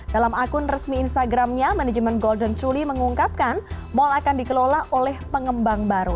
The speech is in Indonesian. dalam akun resmi instagramnya manajemen golden toily mengungkapkan mall akan dikelola oleh pengembang baru